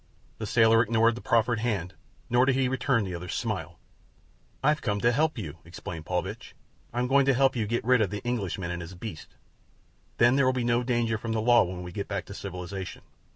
The sailor ignored the proffered hand, nor did he return the other's smile. "I've come to help you," explained Paulvitch. "I'm going to help you get rid of the Englishman and his beasts—then there will be no danger from the law when we get back to civilization.